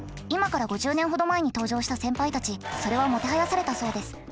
今から５０年ほど前に登場した先輩たちそれはもてはやされたそうです。